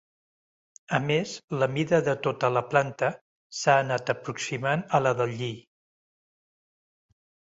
A més la mida de tota la planta s'ha anat aproximant a la del lli.